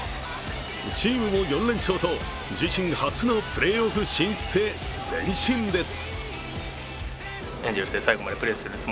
チームも４連勝と自身初のプレーオフ進出へ前進です。